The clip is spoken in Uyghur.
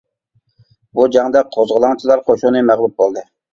بۇ جەڭدە قوزغىلاڭچىلار قوشۇنى مەغلۇپ بولدى.